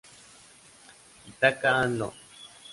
Ithaca and London.